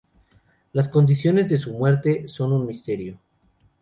Las condiciones de su muerte son un misterio.